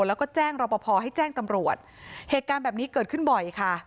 แล้วก็แจ้งรอปภให้แจ้งตำรวจเหตุการณ์แบบนี้เกิดขึ้นบ่อยค่ะ